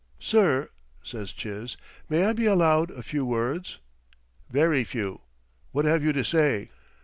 "'Sir,' says Chiz, 'may I be allowed a few words?' "'Very few. What have you to say?'